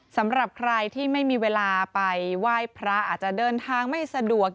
สำหรับใครที่ไม่มีเวลาไปไหว้พระอาจจะเดินทางไม่สะดวก